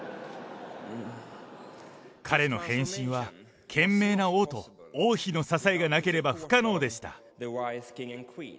彼の変身は、賢明な王と王妃の支えがなければ不可能でした。